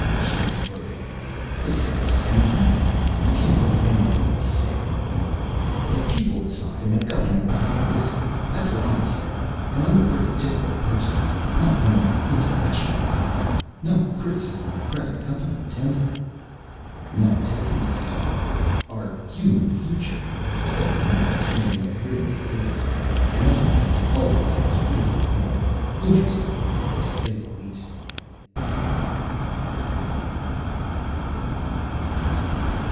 she exploded. "They said this couldn't happen. You can't believe anything they say any more. The people decide and the government will have to listen, that's what I say! And I'm a pretty typical person, not one of your intellectual kind. No criticism of present company intended." "None taken, Mrs. Hart. Our human future," said Burnett, exchanging a grin with his aide, "remains, as it always has really been. Interesting to say the least!"